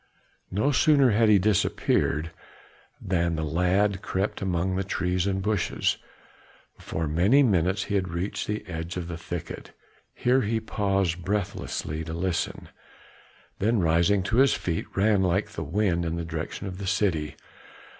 No sooner had he disappeared, than the lad crept away among the trees and bushes; before many minutes he had reached the edge of the thicket, here he paused breathlessly to listen, then rising to his feet, ran like the wind in the direction of the city.